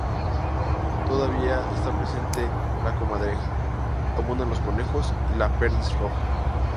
Todavía está presente la comadreja. Abundan los conejos y la perdiz roja.